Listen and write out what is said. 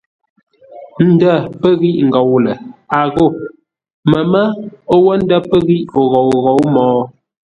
Ndə̂ pə́ ghíʼ ngôu lə̂, a ghô məmə́ o wə́ ndə̂ pə́ ghíʼ o ghôu ghǒu mo?